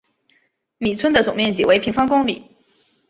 米村的总面积为平方公里。